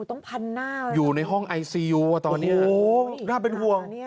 ต้องพันหน้าอยู่ในห้องไอซียูอ่ะตอนนี้น่าเป็นห่วง